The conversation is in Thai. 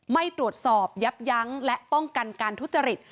ไม่ตรวจสอบยับยั้งและป้องกันการทุจริต